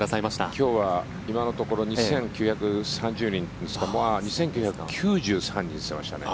今日は今のところ２９３０人ですけど２９９３人といっていましたね。